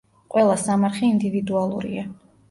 ყველა სამარხი ინდივიდუალურია.